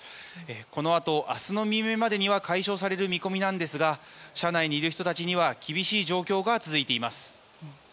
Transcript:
このあと、明日の未明までには解消される見込みですが車内にいる人たちには厳しい状況が続いています。